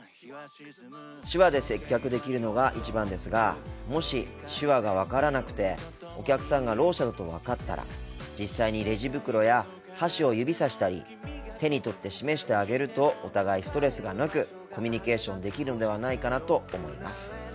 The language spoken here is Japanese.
手話で接客できるのが一番ですがもし手話が分からなくてお客さんがろう者だと分かったら実際にレジ袋や箸を指さしたり手に取って示してあげるとお互いストレスがなくコミュニケーションできるのではないかなと思います。